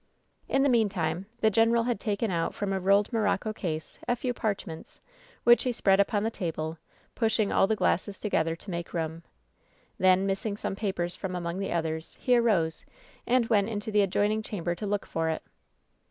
In the meantime the ^general had taken out from a '"*'■■■■■'■^' A. .f > k' ,. X WHEN SHADOWS DIE 237 .V '.' rolled morocco case a few parchments, which he spread upon the littte table— pushing all the glasses together to make room. Then, missing some papers from among the others, he arose and went into the adjoining chamber to look for it.